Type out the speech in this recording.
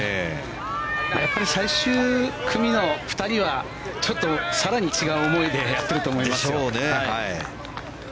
やっぱり最終組の２人はちょっと更に違う思いでやっていると思いますよ。